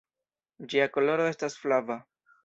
Ĝia koloro estas flava.